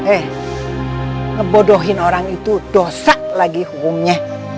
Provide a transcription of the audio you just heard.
eh ngebodohin orang itu dosa lagi hukumnya